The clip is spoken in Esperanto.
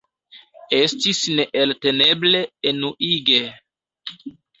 Estis neelteneble enuige.